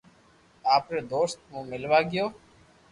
آپري دوست مون ملوا گيو